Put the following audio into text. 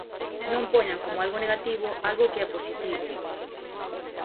Non poñan como algo negativo algo que é positivo.